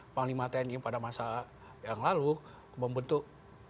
panglima tni pada masa yang lalu membentuk